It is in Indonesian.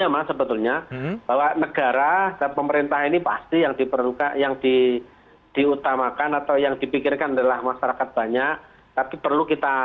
masalah retail modern